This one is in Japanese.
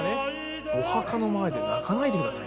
「お墓の前で泣かないでください」。